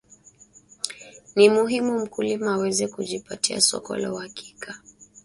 ni muhimu mkulima aweze kujipatia soko la uhakika